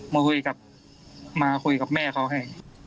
มาคุยกับมาคุยกับแม่เขาให้